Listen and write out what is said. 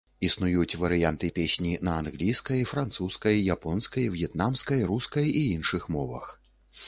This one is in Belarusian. Існуюць варыянты песні на англійскай, французскай, японскай, в'етнамскай, рускай і іншых мовах.